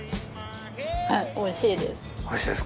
はいおいしいです。